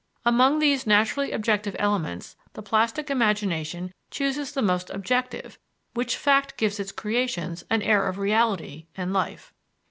Among these naturally objective elements the plastic imagination chooses the most objective, which fact gives its creations an air of reality and life.